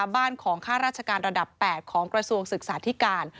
บ้านของข้าราชการระดับ๘ของกระทรวงศึกษาธิการ